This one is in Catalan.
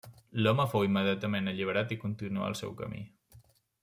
L’home fou immediatament alliberat i continuà el seu camí.